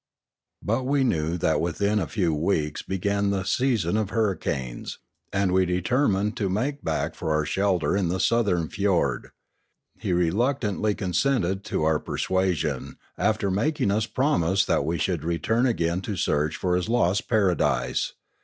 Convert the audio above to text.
But we knew that within a few weeks began the season of hurricanes; and we determined to make back for our shelter in the southern fiord. He reluctantly consented to our persuasion, after making us promise that we should return again to search for his lost para dise.